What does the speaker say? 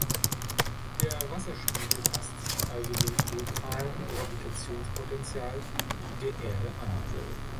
Der Wasserspiegel passt sich also dem lokalen Gravitationspotential der Erde an.